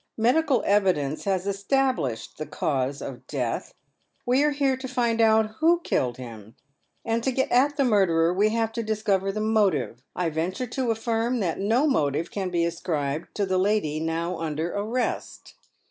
" Medical evidence has established the cause of death. We are here to find out who killed him, — and to get at the murderer we have to discover the motive. I venture to affirm that no motive can be ascribed to the lady now under arrest."